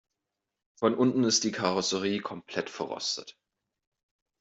Von unten ist die Karosserie komplett verrostet.